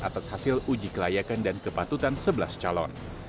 atas hasil uji kelayakan dan kepatutan sebelas calon